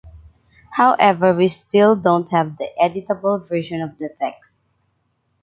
However, we still don’t have the editable version of the text.